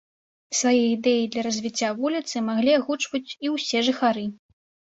Свае ідэі для развіцця вуліцы маглі агучваць і ўсе жыхары.